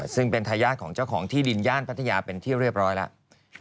ซึ่งเป็นทายาทของเจ้าของที่ดินย่านพัทยาเป็นที่เรียบร้อยแล้ว